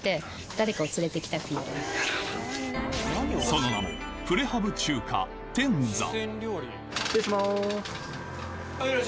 その名もプレハブ中華天山